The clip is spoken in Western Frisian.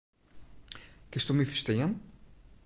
Kinsto my ferstean?